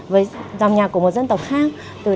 với dòng nhạc của một dân tộc khác